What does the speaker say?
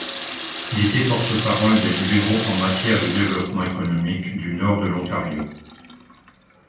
Il était porte-parole des Libéraux en matière de développement économique du Nord de l'Ontario.